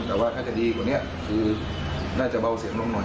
แต่ว่าถ้าจะดีกว่านี้คือน่าจะเบาเสียงลงหน่อย